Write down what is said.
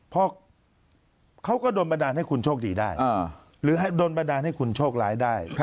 เพราะเขาก็โดนบันดาลให้คุณโชคดีได้หรือโดนบันดาลให้คุณโชคร้ายได้